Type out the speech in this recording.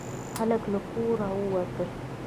خلک له کوره ووتل.